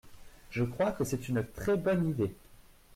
Je crois que c’est une très bonne idée !